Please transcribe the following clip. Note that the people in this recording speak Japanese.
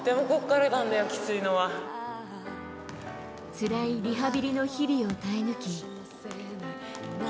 つらいリハビリの日々を耐え抜き。